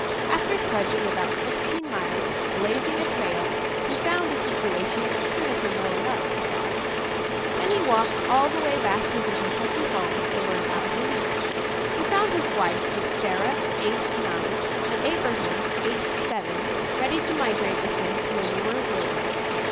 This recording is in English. After trudging about sixteen miles, blazing a trail, he found a situation which suited him well enough, he thought. Then he walked all the way back to the Kentucky home they were about to leave. He found his wife, with Sarah, aged nine, and Abraham, aged seven, ready to migrate with him to a newer wilderness.